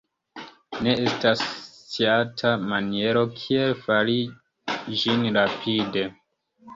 Ne estas sciata maniero kiel fari ĝin rapide.